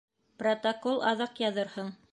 Протокол аҙаҡ яҙырһың.